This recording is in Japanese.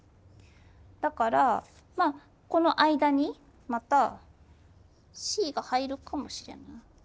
だからまあこの間にまたＣが入るかもしれない。